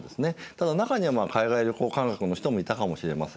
ただ中には海外旅行感覚の人もいたかもしれません。